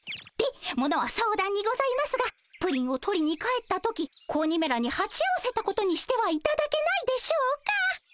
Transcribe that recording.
でものは相談にございますがプリンを取りに帰った時子鬼めらにはち合わせたことにしてはいただけないでしょうか？